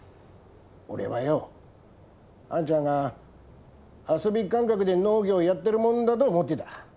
俺はよあんちゃんが遊び感覚で農業やってるもんだと思ってた。